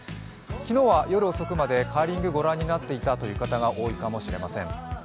昨日は夜遅くまでカーリング御覧になっていたという方多いかもしれません。